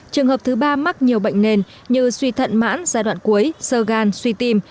trường hợp thứ ba mắc nhiều bệnh nền như suy thận mãn giai đoạn cuối sơ gan suy tim